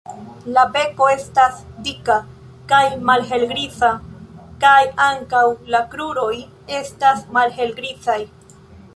La beko estas dika kaj malhelgriza kaj ankaŭ la kruroj estas malhelgrizaj.